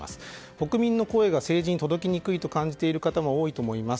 国民の声が政治に届きにくいと感じている方も多いと思います。